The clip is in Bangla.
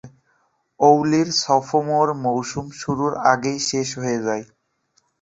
ওর্লির সোফোমোর মৌসুম শুরুর আগেই শেষ হয়ে যায়।